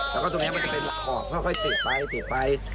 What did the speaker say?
แล้วก็ตรงนี้มันจะเป็นหลักขอบค่อยติไปติดไป